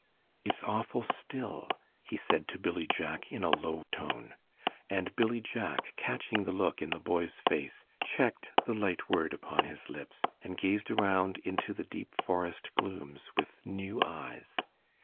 "It's awful still," he said to Billy Jack in a low tone, and Billy Jack, catching the look in the boy's face, checked the light word upon his lips, and gazed around into the deep forest glooms with new eyes.